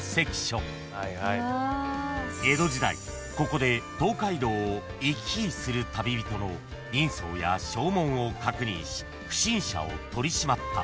ここで東海道を行き来する旅人の人相や証文を確認し不審者を取り締まった］